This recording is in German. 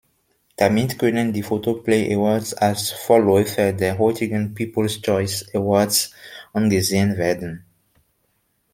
Damit können die Photoplay Awards als Vorläufer der heutigen People’s Choice Awards angesehen werden.